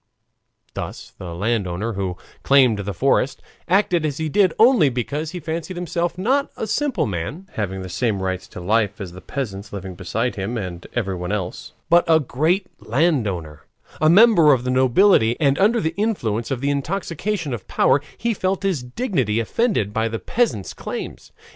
Thus the landowner, who claimed the forest, acted as he did only because he fancied himself not a simple man, having the same rights to life as the peasants living beside him and everyone else, but a great landowner, a member of the nobility, and under the influence of the intoxication of power he felt his dignity offended by the peasants' claims.